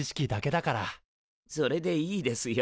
それでいいですよ。